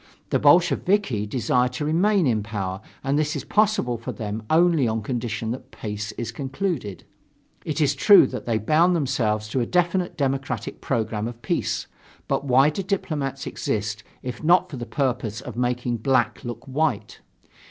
The Bolsheviki desire to remain in power and this is possible for them only on condition that peace is concluded. It is true that they bound themselves to a definite democratic program of peace, but why do diplomats exist if not for the purpose of making black look white?